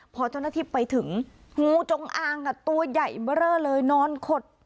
พอเจ้าหน้าทิพย์ไปถึงงูจงอ่างอ่ะตัวใหญ่เบอร์เร่อเลยนอนขด